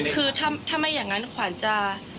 คือถ้าไม่อย่างนั้นขวัญจะ